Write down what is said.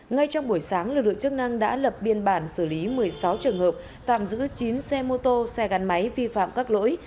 ngay trong buổi sáng lực lượng chức năng đã lập biên bản xử lý một mươi sáu trường hợp tạm giữ chín xe mô tô xe gắn máy vi phạm các lỗi